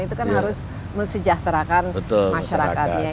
itu kan harus mesejahterakan masyarakatnya